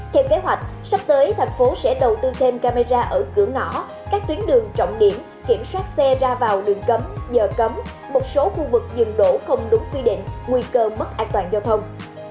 theo kế hoạch sắp tới thành phố sẽ đầu tư thêm camera ở cửa ngõ các tuyến đường trọng điểm kiểm soát xe ra vào đường cấm giờ cấm một số khu vực dừng đổ không đúng quy định nguy cơ mất an toàn giao thông